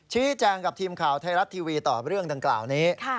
ชี้แจงกับทีมข่าวไทยรัฐทีวีต่อเรื่องดังกล่าวนี้